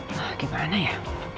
nah gimana ya